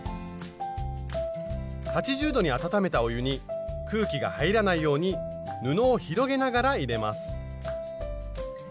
８０度に温めたお湯に空気が入らないように布を広げながら入れます。